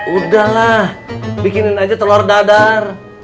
udahlah bikinin aja telur dadar